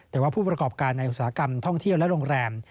แต่ว่าผู้ประกอบการในอุตสาหกรรมท่องเที่ยวและโรงแรม